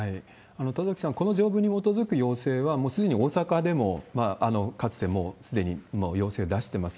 田崎さん、この条文に基づく要請は、もうすでに大阪でもかつて、もうすでに、もう要請出してます。